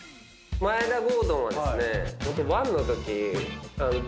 眞栄田郷敦はですね。